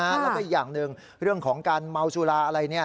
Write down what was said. แล้วก็อีกอย่างหนึ่งเรื่องของการเมาสุราอะไรเนี่ย